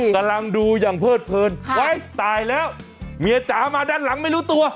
กำลังดูอย่างเพิดเพลินไว้ตายแล้วเมียจ๋ามาด้านหลังไม่รู้ตัว